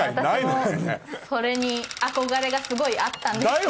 私もそれに憧れがすごいあったんですけど。